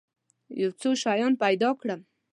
یو څو شیان پیدا کړم.